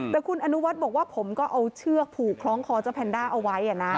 แต่คุณอนุวัฒน์บอกว่าผมก็เอาเชือกผูกคล้องคอเจ้าแพนด้าเอาไว้นะ